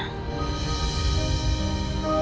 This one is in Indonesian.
aku harus pandai bersyukur